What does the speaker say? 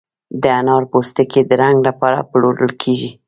د انارو پوستکي د رنګ لپاره پلورل کیږي؟